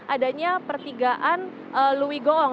adanya pertigaan louis goong